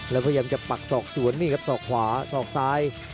แล้วพยายามจะปักศอกสวนนี่ครับศอกขวาสอกซ้าย